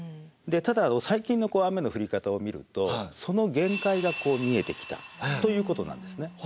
ただ最近の雨の降り方を見るとその限界が見えてきたということなんですね。